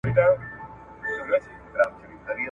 د پرمختګ کتنه د لال هندوانو